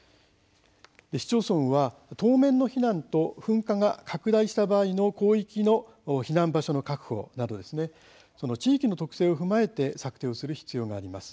市町村は当面の避難と噴火が拡大した場合の広域の避難場所の確保など地域の特性を踏まえて策定をする必要があります。